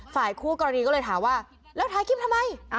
ฝ่ายคู่กรณีก็เลยถามว่าแล้วถ่ายคลิปทำไม